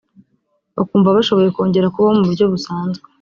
Bakumva bashoboye kongera kubaho mu buryo busanzwe